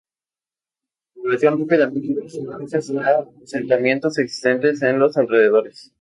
La población rápidamente creció gracias a asentamientos existentes en los alrededores.